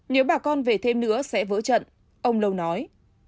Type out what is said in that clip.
nếu bà con về thêm nữa sẽ vỡ trận ông lâu nói